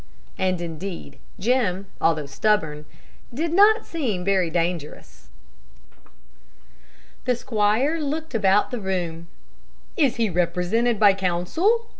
And indeed Jim, although stubborn, did not seem very dangerous. The squire looked about the room. "Is he represented by counsel?"